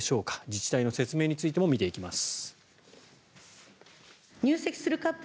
自治体の説明についても見ていきます。